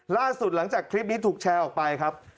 ล่าสุดหลังจากคลิปนี้ถูกแชร์ออกไปครับ